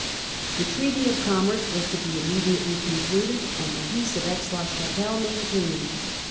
The treaty of commerce was to be immediately con cluded, and the Peace of Aix la Chapelle maintained.